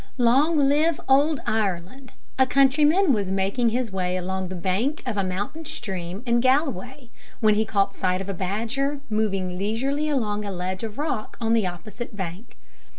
Long live Old Ireland! A countryman was making his way along the bank of a mountain stream in Galway, when he caught sight of a badger moving leisurely along a ledge of rock on the opposite bank.